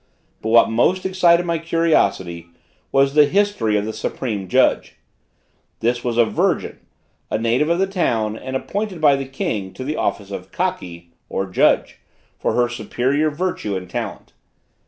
But what most excited my curiosity was the history of the supreme judge. This was a virgin, a native of the town, and appointed by the King to the office of Kaki, or judge, for her superior virtue and talent.